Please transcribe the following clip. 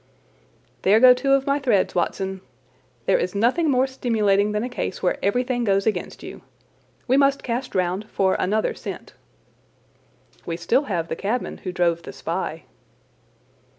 "There go two of my threads, Watson. There is nothing more stimulating than a case where everything goes against you. We must cast round for another scent." "We have still the cabman who drove the spy."